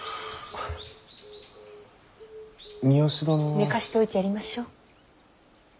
寝かしておいてやりましょう。